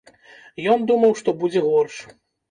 Ён думаў, што будзе горш.